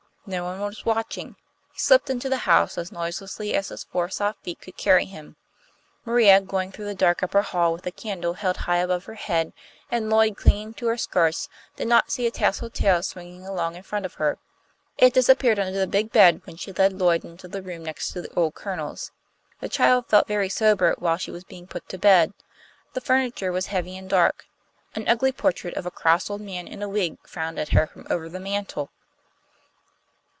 No one was watching. He slipped into the house as noiselessly as his four soft feet could carry him. Maria, going through the dark upper hall, with a candle held high above her head and Lloyd clinging to her skirts, did not see a tasselled tail swinging along in front of her. It disappeared under the big bed when she led Lloyd into the room next the old Colonel's. The child felt very sober while she was being put to bed. The furniture was heavy and dark. An ugly portrait of a cross old man in a wig frowned at her from over the mantel.